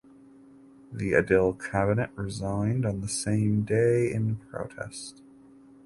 The Adil Cabinet resigned on the same day in protest.